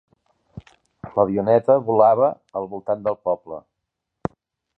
L'avioneta volava al voltant del poble.